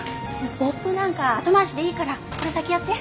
ポップなんか後回しでいいからこれ先やって。